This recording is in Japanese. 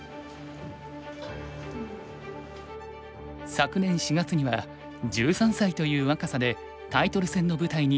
昨年４月には１３歳という若さでタイトル戦の舞台に登場。